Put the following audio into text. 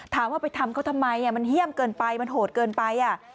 ถามว่าไปทำเขาทำไมมันเยี่ยมเกินไปมันโหดเกินไป